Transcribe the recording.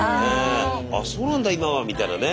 「あっそうなんだ今は」みたいなね。